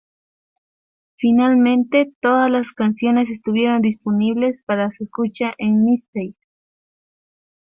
Finalmente, todas las canciones estuvieron disponibles para su escucha en Myspace.